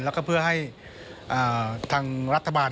แล้วก็เพื่อให้ทางรัฐบาล